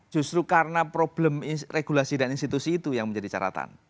justru karena problem regulasi dan institusi itu yang menjadi catatan